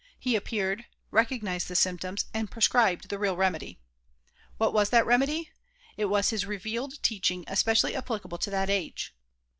He appeared, recognized the symptoms and prescribed the real remedy. What was that remedy ? It was his revealed teaching especially applicable to that age.